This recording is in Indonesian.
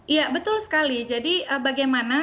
iya betul sekali jadi bagaimana